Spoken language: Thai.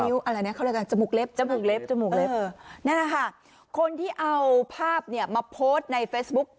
ทีมงานนี้นะจะมูกเล็บนะคะคนที่เอาภาพมาโพสต์ในเฟสบุ๊ค